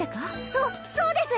そそうです